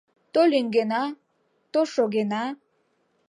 То лӱҥгена, то шогена.